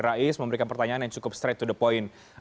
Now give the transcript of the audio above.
rais memberikan pertanyaan yang cukup straight to the point